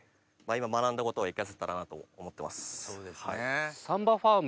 今学んだことを生かせたらなと思ってます。